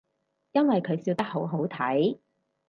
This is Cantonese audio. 因為佢笑得好好睇